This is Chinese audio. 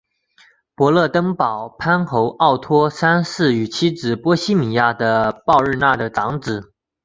勃兰登堡藩侯奥托三世与妻子波希米亚的鲍日娜的长子。